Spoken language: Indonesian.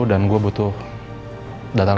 dan gue butuh data lo